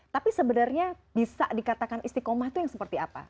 tapi sebenarnya bisa dikatakan istiqomah itu yang seperti apa